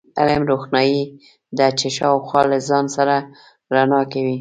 علم، روښنایي ده چې شاوخوا له ځان سره رڼا کوي.